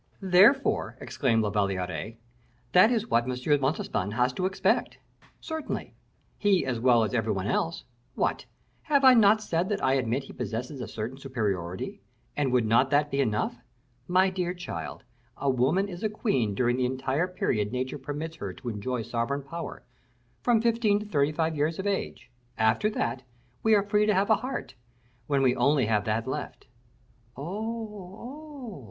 '" "Therefore," exclaimed La Valliere, "that is what M. de Montespan has to expect." "Certainly; he, as well as every one else. What! have I not said that I admit he possesses a certain superiority, and would not that be enough? My dear child, a woman is a queen during the entire period nature permits her to enjoy sovereign power from fifteen to thirty five years of age. After that, we are free to have a heart, when we only have that left " "Oh, oh!"